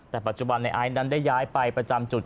แต่ปัจจุบันในไอซ์นั้นได้ย้ายไปประจำจุด